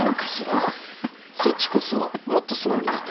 そっちこそもっと素直になったらどうだ？